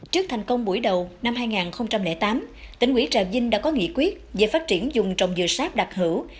trước thành công buổi đầu năm hai nghìn tám tỉnh quỹ trà vinh đã có nghị quyết về phát triển dùng trồng dừa sáp đặc hữu